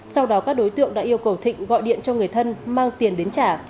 sau đó các đối tượng đã yêu cầu thịnh gọi điện cho người thân mang tiền đến trả